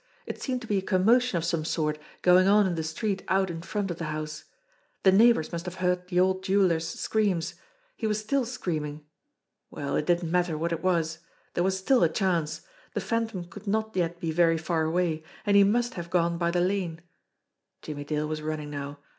It seemed to be a commotion of some sort going on in the street out in front of the house. The neighbours must have heard the old jeweller's screams. He was still screaming. Well, it didn't matter what it was ! There was still a chance. The Phantom could not yet be very far away, and he must have gone by the lane. Jimmie Dale was running now.